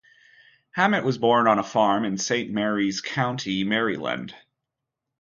Hammett was born on a farm in Saint Mary's County, Maryland.